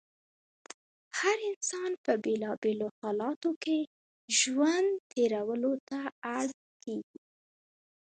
هر انسان په بېلا بېلو حالاتو کې ژوند تېرولو ته اړ کېږي.